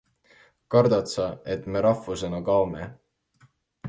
Kardad sa, et me rahvusena kaome?